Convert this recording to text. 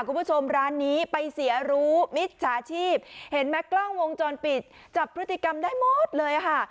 คุณผู้ชมร้านนี้ไปเสียรู้มิจฉาชีพเห็นไหมกล้องวงจรปิดจับพฤติกรรมได้หมดเลยค่ะ